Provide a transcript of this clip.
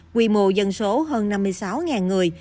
quy mô dân số hơn năm mươi sáu người